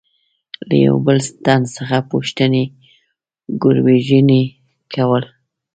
له یوه بل تن څخه پوښتنې ګروېږنې کول.